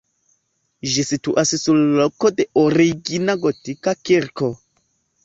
Ĝi situas sur loko de origina gotika kirko.